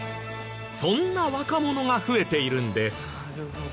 そんな若者が増えているんです。